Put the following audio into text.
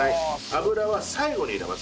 油は最後に入れます。